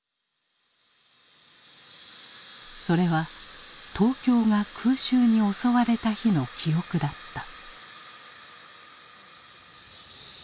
それは東京が空襲に襲われた日の記憶だった。